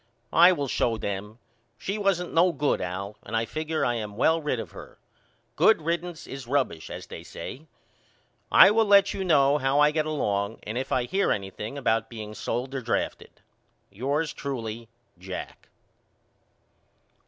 I will show them. She wasn't no good Al and I figure I am well rid of her. Good riddance is rubbish as they say. I will let you know how I get along and if I hear anything about being sold or drafted. Yours truly, JACK.